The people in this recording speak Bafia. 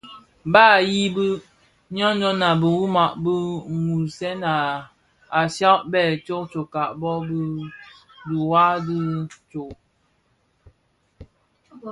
Ba yibi ňyon ňyon a biwuma bi yughèn ya Azia bè tsotsoka bō bi dhiwa di tsog.